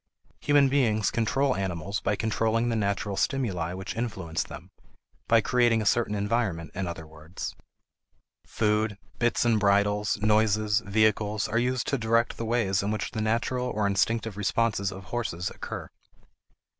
Human beings control animals by controlling the natural stimuli which influence them; by creating a certain environment in other words. Food, bits and bridles, noises, vehicles, are used to direct the ways in which the natural or instinctive responses of horses occur.